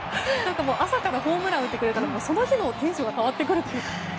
朝からホームランを打ってくれたらその日のテンションが変わってくるという。